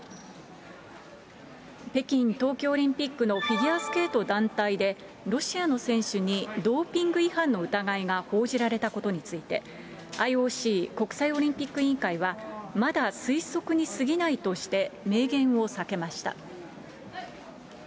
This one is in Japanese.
北京冬季オリンピックのフィギュアスケート団体で、ロシアの選手にドーピング違反の疑いが報じられたことについて、ＩＯＣ・国際オリンピック委員会は、まだ推測にすぎないとして、明言を避けました。